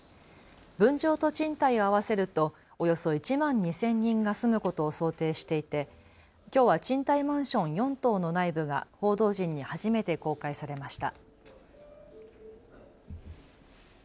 分譲と賃貸を合わせるとおよそ１万２０００人が住むことを想定していてきょうは賃貸マンション４棟の内部が報道陣に初めて公開されました。